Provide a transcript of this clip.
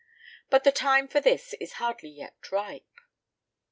But the time for this is hardly yet ripe.